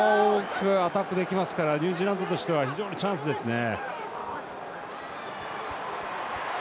アタックできますからニュージーランドとしては非常にチャンスですね。